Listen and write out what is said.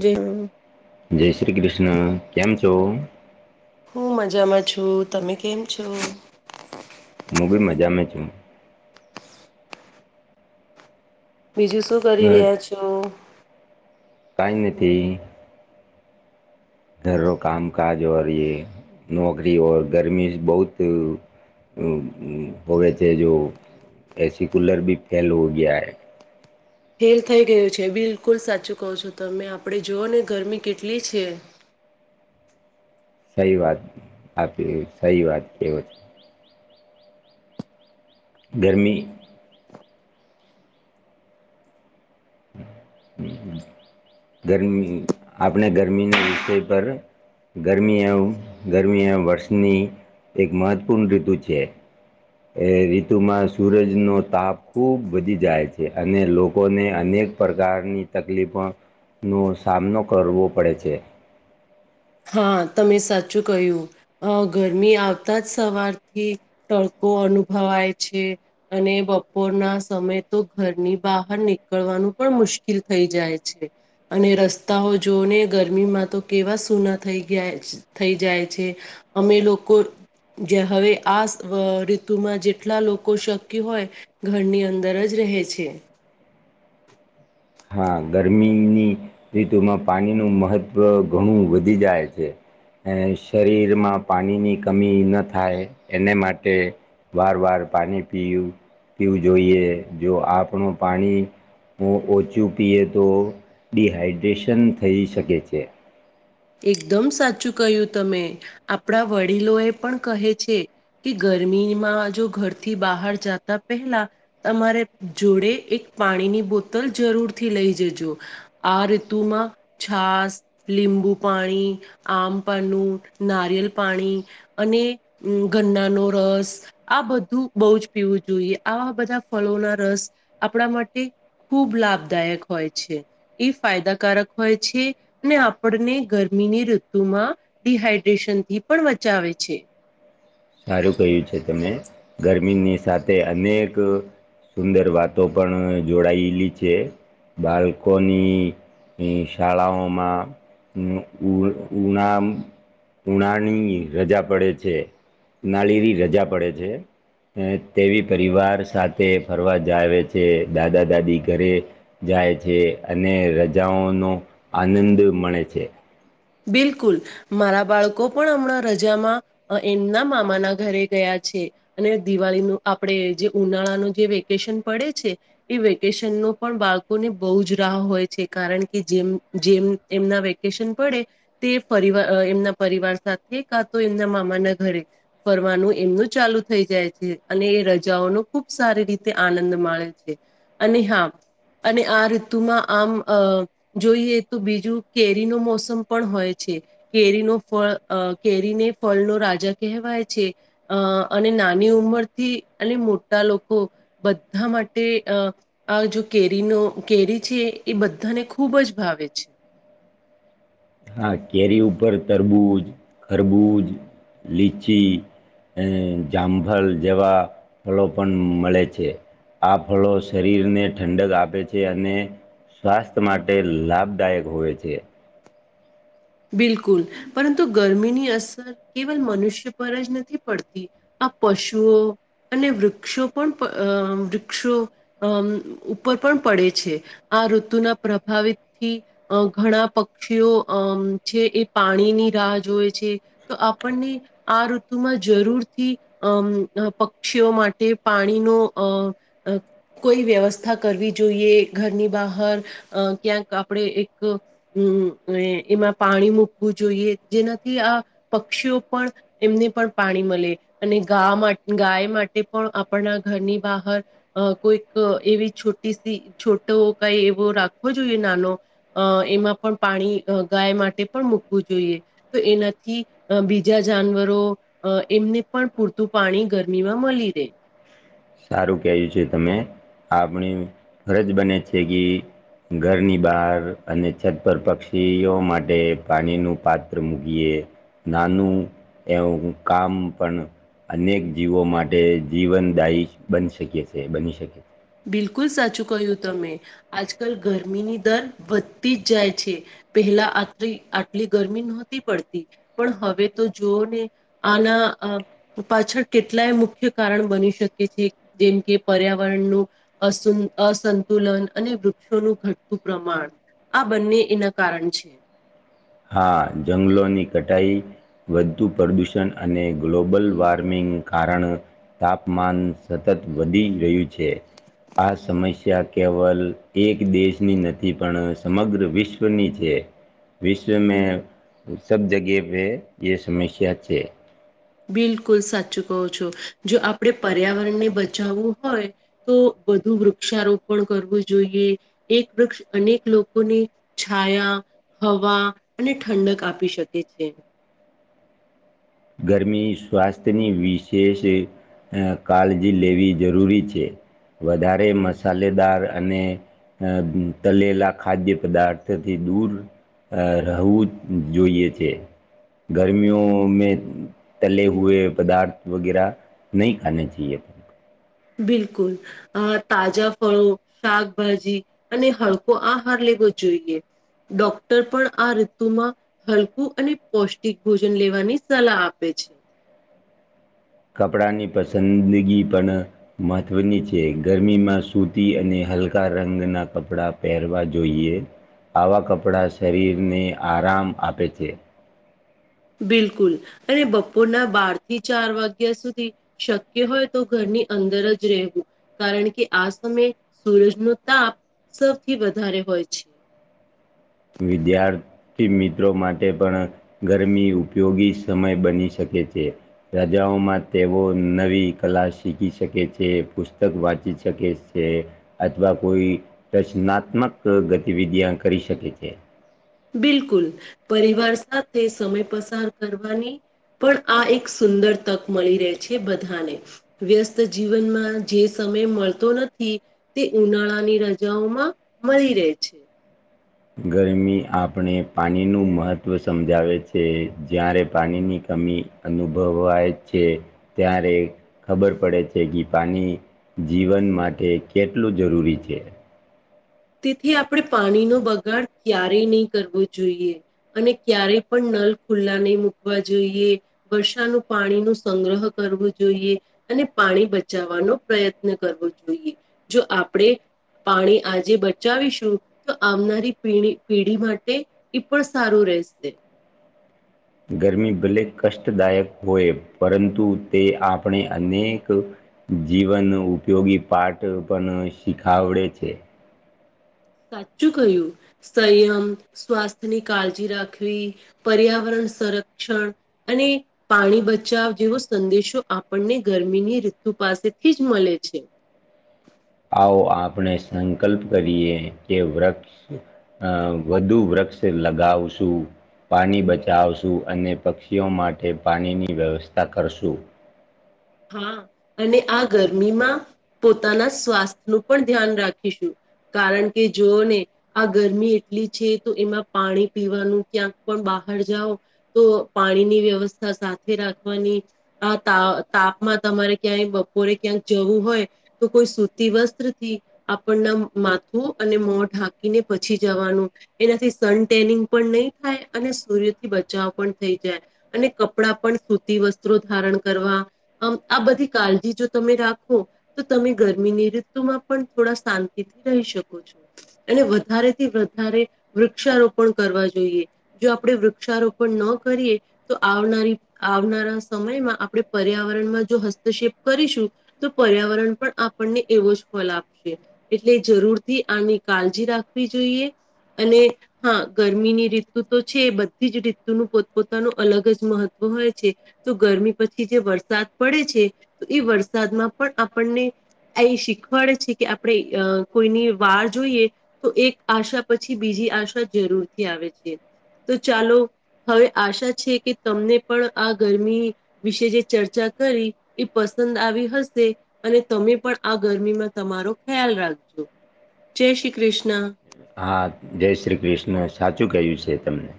જય હા જય શ્રી કૃષ્ણ કેમ છો? હું મજામાં છું તમે કેમ છો હું બી મજા માં છું બીજું શું કરી ઘર રહ્યા છો કંઈ નથી ઘરો કામકાજ ઓર એ નોકરીઓર ગરમી બહુત હમ હમ હોવે છેે જો એસી કૂુલર ભી ફેલ હો ગયા હૈ ફેલ થઈ ગયું છે બિલકુલ સાચું કહો છો તમે આપડે જોવો ને ગરમી કેટલી છે સહી વાત આપલી સહી વાત છે ગરમી હમ ગરમી આપણે ગરમીના વિષય પર ગરમી આવ ગરમી આ વર્ષની એક મહત્વપૂર્ણ ઋતુ છે એ ઋતુમાં સૂરજનો તાપ ખૂબ વધી જાય છે અને લોકોને અનેક પ્રકારની તકલીફો નો સામનો કરવો પડે છે હા તમે સાચું કહ્યું અ ગરમી આવતા જ સવારથી તડકો અનુભવાય છે અને બપોરના સમય તો ઘરની બહાર નીકળવાનું પણ મુશ્કેલ થઈ જાય છે અને રસ્તાઓ જોને ગરમીમાં તો કેવા સુના થઈ ગ્યા છ થઈ જાય છે અમે લોકો જે હવે આ સ ઋતુમાં જેટલા લોકો શક્ય હોય ઘરની અંદર જ રહે છે હા ગરમીની ઋતુમાં પાણીનું મહત્ત્વ ઘણું વધી જાય છે ને શરીરમાં પાણીની કમી ન થાય એને માટે વાર વાર પાણી પી પીવું જોઈએ જો આપણું પાણી હું ઓછું પીએ તો ડિહાઈડ્રેશન થઈ શકે છે એકદમ સાચું કહ્યું તમે આપણા વડીલો એ પણ કહે છે કે ગરમીમાં જો ઘરથી બહાર જતા પહેલા તમારે જોડે એક પાણીની બોતલ જરૂરથી લઈ જજો આ ઋતુમાં છાસ લીંબુ પાણી આમપનું નારયેલ પાણી અને અ ગન્ના નો રસ આ બધું બહુજ પીવું જોઈએ આવા બધા ફલોના રસ આપણા માટે ખૂબ લાભદાયક હોય છે એ ફાયદાકારક હોય છે અને આપણને ગરમીની ઋતુ માં ડિહાઈડ્રેશન થી પણ બચાવે છે સારું કહ્યું છે તમે ગરમીની સાથે અનેક સુંદર વાતો પણ જોડાયેલી છે બાલ્કોની ની શાળાઓમાં ઉ ઉ ઉનામ ઉનાની રજા પડે છે નાળીરી રજા પડે છે અ તેવી પરિવાર સાથે ફરવા જાવે છે દાદા દાદી ઘરે જાય છે અને રજાઓનો આનંદ મળે છે બિલકુલ મારા બાળકો પણ હમણાં રજામાં અ એમના મામાના ઘરે ગયા છે અને દિવાલી નું આપણેે જે ઉનાળાનું જે વેકેશન પડે છે એ વેકેશનનો પણ બાળકોને બહુ જ રાહ હોય છે કારણ કે જેમ જેમ એમના વેકેશન પડે. તે પરિવાર અ એમનાં પરિવાર સાથે કાતો એમનાં મામાના ઘરે ફરવાનું એમનું ચાલુ થઈ જાય છે અને એ રજાઓનો ખૂબ સારી રીતે આનંદ માણે છે. અને હા અને આ ઋતુમાં આમ અ જોઈએ તો બીજું કેરીનો મોસમ પણ હોય છે કેરીનો ફળ અ કેરીને ફળનો રાજા કહેવાય છે. અ અને નાની ઉંમરથી અને મોટા લોકો બધાં માટે અ આ જો કેરીનો કેરી છે એ બધાને ખૂબ જ ભાવે છે. હા, કેરી ઉપર તરબૂજ, ખરબૂજ, લીચી. એ જામફલ જેવાં ફલો પણ મલે છે. આ ફળો શરીરને ઠંડક આપે છે અને સ્વાસ્થ માટે લાભદાયક હોય છે. બિલકુલ પરંતુ ગરમીની અસર કેવલ મનુષ્ય પર જ નથી પડતી આ પશુઓ અને વૃક્ષો પણ અ વૃક્ષો અમ ઉપર પણ પડે છે. આ ઋતુના પ્રભાવિતથી અ ઘણાં પક્ષીઓ અમ છે એ પાણીની રાહ જોવે છે તો આપણને આ ઋતુમાં જરૂરથી અમ દ પક્ષીઓ માટે પાણીનો અ કોઈ વ્યવસ્થા કરવી જોઈએ, ઘરની બહાર અ ક્યાંક આપણે એક હમ્મ એ એમાં પાણી મૂકવું જોઈએ જેનાથી આ પક્ષીઓ પણ એમને પણ પાણી મળે અને ગા ગાય માટે પણ આપણા ઘરની બહાર અ કોઈક એવી છોટી સી છોટો કંઈ એવો રાખવો જોઈએ નાનો. અ એમાં પણ પાણી અ ગાય માટે પણ મૂકવું જોઈએ. તો એનાથી અ બીજા જાનવરો અ એમને પણ પૂરતું પાણી ગરમીમાં મલી રે. સારું કેયું છે તમે આપણી ફરજ બને છે કી ઘરની બહાર અને છત પર પક્ષીઓ માટે પાણીનું પાત્ર મૂકીએ. નાનું એઉ કામ પણ અનેક જીવો માટે જીવનદાયી બની શકે છીએ બની શકે. બિલકુલ સાચું કહ્યું તમે, આજકાલ ગરમીની દર વધતી જ જાય છે. પહેલા આત આટલી ગરમી નહોતી પડતી પણ હવે તો જોઓને. આન અ પાછળ કેટલાય મુખ્ય કારણ બની શકે છે જેમ કે પર્યાવરણનું અસુ અસંતુલન અને વૃક્ષોનું ઘટતું પ્રમાણ. આ બંને એના કારણ છે. હા જંગલોની કટાઈ વધતું પ્રદૂષણ અને ગ્લોબલ વોર્મિંગ કારણ તાપમાન સતત વધી રહ્યુ છે. આ સમસ્યા કેવલ એક દેશની નથી પણ સમગ્ર વિશ્વની છે. વિશ્વમે સબ જગે પે યે સમસ્યા છે. બિલકુલ સાચું કહો છો જો આપડે પર્યાવરણને બચાવવું હોય. તો વધું વૃક્ષારોપણ કરવું જોઈએ. એક વૃક્ષ અનેક લોકોની છાયા હવા અને ઠંડક આપી શકે છે. ગરમી સ્વાસ્થની વિશેષએ અ કાળજી લેવી જરૂરી છે વધારે મસાલેદાર અને અ તલેલા ખાદ્ય પદાર્થથી દૂર અ રહવું જ જોઈએ છે ગરમીઓમે તલે હુએ પદાર્થ વગેરા નહીં ખાને ચઈએ. બિલકુલ અ તાજા ફળો શાકભાજી અને હળકો આહાર લેવો જોઈએ. ડોક્ટર પણ આ ઋતુમાં હલકું અને પૌષ્ટિક ભોજન લેવાની સલાહ આપે છે. કપડાંની પસંદગી પણ મહત્વની છે ગરમીમાં સૂરતી અને હલકા રંગના કપડા પહેરવા જોઈએ. આવા કપડાં શરીરને આરામ આપે છે. બિલકુલ અને બપોરના બાર થી ચાર વાગ્યા સુધી શક્ય હોય તો ઘરની અંદર જ રહેવું કારણ કે આ સમયે સૂરજ નો તાપ સૌથી વધારે હોય છે. વિદ્યાર્થી મિત્રો માટે પણ ગરમી ઉપયોગી સમય બની શકે છે. રાજાઓમાં તેઓ નવી કલા શીખી શકે છે પુસ્તક વાંચી શકે છે. અથવા કોઈ રચનાત્મક ગતિવિધિયાં કરી શકે છે. બિલકુલ પરિવાર સાથે સમય પસાર કરવાની પણ આ એક સુંદર તક મળી રહે છે બધાને વ્યસ્ત જીવનમાં જે સમય મળતો નથી. તે ઉનાળાની રજાઓમાં મળી રહે છે. ગરમી આપણે પાણીનું મહત્ત્વ સમજાવે છે જ્યારે પાણીની કમી અનુભવાય છે ત્યારે ખબર પડે છે કે પાણી જીવન માટે કેટલું જરૂરી છે. તેથી આપડે પાણીનો બગાડ ક્યારેય ની કરવો જોઈએ. અને ક્યારેય પણ નલ ખુલ્લા નહી મૂકવા જોઈએ. વર્ષાનું પાણી નું સંગ્રહ કરવું જોઈએ. અને પાણી બચાવવાનો પ્રયત્ન કરવો જોઈએ જો આપડે પાણી આજે બ બચાવીશું તો આવનારી પેઢી માટે એ પણ સારું રહેશે. ગરમી ભલે કષ્ટદાયક હોય પરંતુ તે આપણે અનેક જીવન ઉપયોગી પાટ પણ શીખાવડે છે. સાચું કહ્યું સંયમ સ્વાસ્થ્યની કાળજી રાખવી પર્યાવરણ સંરક્ષણ અને પાણી બચાવ જેવો સંદેશો આપણને ગરમીની ઋતુ પાસેથી જ મળે છે. આવો આપડે સંકલ્પ કરીએ કે વૃક્ષ અ વધુ વૃક્ષ લગાવશું પાણી બચાવશું અને પક્ષીઓ માટે પાણીની વ્યવસ્થા કરશું. હા અને આ ગરમીમાં પોતાના સ્વાસ્થ્ય નું પણ ધ્યાન રાખીશું. કારણ કે જોઓને આ ગરમી એટલી છે તો એમાં પાણી પીવાનું ક્યાંક પણ બહાર જાઓ. તો પાણીની વ્યવસ્થા સાથે રાખવાની આ તા તાપમાં તમારે ક્યાંય બપોરે ક્યાંક જવું હોય તો કોઈ સૂતી વસ્ત્રથી આપણના માથું અને મો ઢાંકીને પછી જવાનું એનાથી સનટેનિંગ પણ નહીં થાય અને સૂર્યથી બચાવ પણ થઈ જાય. અને કપડાં પણ સૂતી વસ્ત્રો ધારણ કરવા. આમ આ બધી કાળજી જો તમે રાખો તો તમે ગરમીની ઋતુમાં પણ થોડા શાંતિ થી રહી શકો છો. એને વધારેથી વધારે વૃક્ષારોપણ કરવા જોઈએ. જો આપડે વૃક્ષારોપણ ન કરીએ. તો આવનારી આવનારા સમયમાં આપડે પર્યાવ જો હસ્તક્ષેપ કરીશું તો પર્યાવરણ પણ આપણને એવો જ ફલ આપશે એટલે જરૂરથી આની કાળજી રાખવી જોઈએ અને. હા ગરમીની ઋતુ તો છે એ બધી જ ઋતુનું પોતપોતાનું અલગ જ મહત્ત્વ હોય છે. તો ગરમી પછી જે વરસાદ પડે છે એ વરસાદમાં પણ આપણને. આ એ શીખવાડે છે કે આપણે કોઈની વાર જોઈએ. તો એક આશા પછી બીજી આશા જરૂર થી આવે છે. તો ચાલો હવે આશા છે કે તમને પણ આ ગરમી વિશે જે. ચર્ચા કરી એ પસંદ આવી હશે. અને તમે પણ આ ગરમીમાં તમારો ખ્યાલ રાખજો જય શ્રી કૃષ્ણ. હા જય શ્રી કૃષ્ણ સાચું કહ્યું છે તમને.